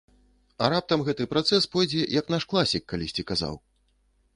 А раптам гэты працэс пойдзе, як наш класік калісьці казаў.